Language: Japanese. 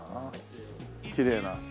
きれいな。